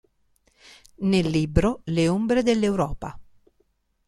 Nel libro "Le ombre dell'Europa.